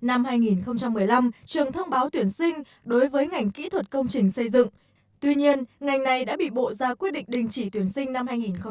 năm hai nghìn một mươi năm trường thông báo tuyển sinh đối với ngành kỹ thuật công trình xây dựng tuy nhiên ngành này đã bị bộ ra quyết định đình chỉ tuyển sinh năm hai nghìn một mươi chín